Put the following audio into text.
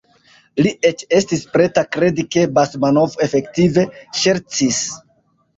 Li eĉ estis preta kredi, ke Basmanov efektive ŝercis.